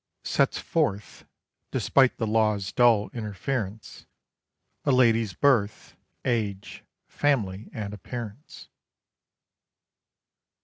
_Sets forth, despite the Law's dull interference, A lady's birth, age, family, and appearance.